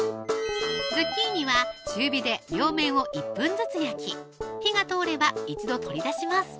ズッキーニは中火で両面を１分ずつ焼き火が通れば一度取り出します